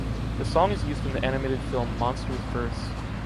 The song is used in the animated film "Monsters vs.